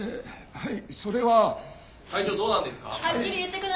はい！